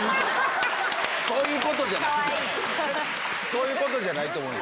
そういうことじゃないと思う。